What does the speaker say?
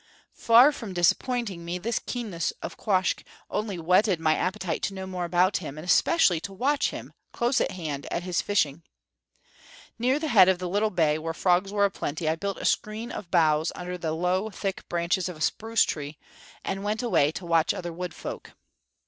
Far from disappointing me, this keenness of Quoskh only whetted my appetite to know more about him, and especially to watch him, close at hand, at his fishing. Near the head of the little bay, where frogs were plenty, I built a screen of boughs under the low thick branches of a spruce tree, and went away to watch other wood folk.